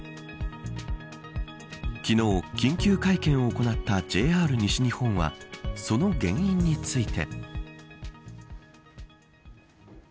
昨日、緊急会見を行ったＪＲ西日本はその原因について。